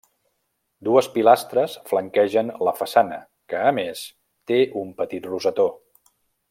Dues pilastres flanquegen la façana que, a més, té un petit rosetó.